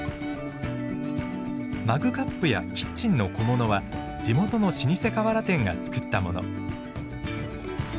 マグカップやキッチンの小物は地元の老舗瓦店が作ったもの。